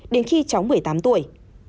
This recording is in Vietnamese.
đến khi cháu một mươi tám tuổi